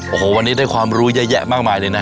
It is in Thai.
โอ้โหวันนี้ได้ความรู้เยอะแยะมากมายเลยนะ